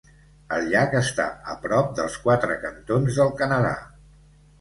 El llac està a prop dels quatre cantons del Canadà.